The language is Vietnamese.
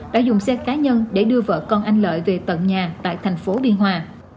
đã dùng xe cá nhân để đưa vợ con anh lợi về tận nhà tại tp biên hòa